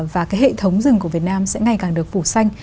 và cái hệ thống rừng của việt nam sẽ ngày càng được phủ xanh